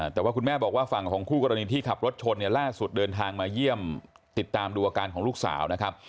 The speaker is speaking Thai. แต่ว่าคุณแม่บอกว่าฝั่งของคู่กรณีที่ขับรถชนเนี่ยล่าสุดเดินทางมาเยี่ยมติดตามดูอาการของลูกสาวนะครับ